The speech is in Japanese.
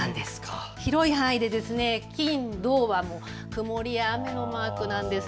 広い範囲で金、土は曇りや雨のマークなんです。